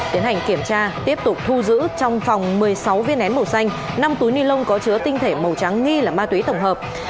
tiến hành kiểm tra tiếp tục thu giữ trong phòng một mươi sáu viên nén màu xanh năm túi ni lông có chứa tinh thể màu trắng nghi là ma túy tổng hợp